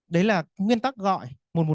đấy là nguyên tắc gọi một trăm một mươi